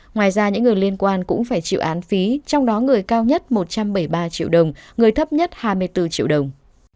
ngoài ra những người liên quan cũng phải chịu án phí trong đó người cao nhất một trăm bảy mươi ba triệu đồng người thấp nhất hai mươi bốn triệu đồng